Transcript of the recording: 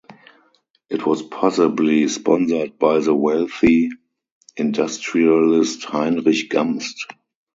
It was possibly sponsored by the wealthy industrialist Heinrich Gamst.